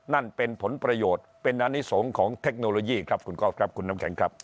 นั่นเป็นผลประโยชน์เป็นอนิสงฆ์ของเทคโนโลยีครับคุณก๊อฟครับคุณน้ำแข็งครับ